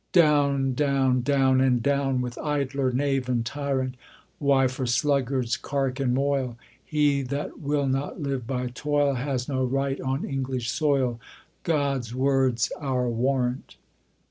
Down, down, down and down, With idler, knave, and tyrant! Why for sluggards cark and moil? He that will not live by toil Has no right on English soil! God's word's our warrant!